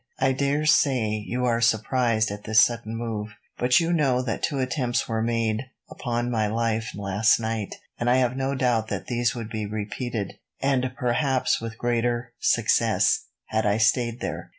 "I dare say you are surprised at this sudden move, but you know that two attempts were made upon my life last night, and I have no doubt that these would be repeated, and perhaps with greater success, had I stayed there.